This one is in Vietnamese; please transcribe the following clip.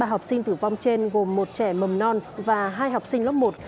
ba học sinh tử vong trên gồm một trẻ mầm non và hai học sinh lớp một